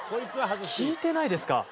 効いてないですか？